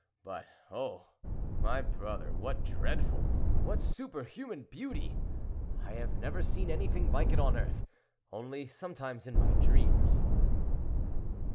But, oh! my brother, what dreadful, what superhuman beauty. I have never seen anything like it on earth, only sometimes in my dreams."